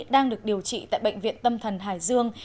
đang được điều trị tại bệnh viện tâm thần hải dương